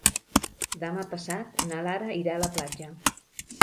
Demà passat na Lara irà a la platja.